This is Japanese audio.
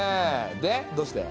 でどうして？